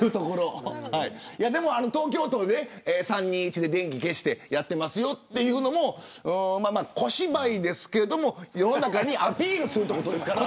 でも、東京都で３、２、１で電気を消してやっていますというのも小芝居ですけれども世の中にアピールするということですから。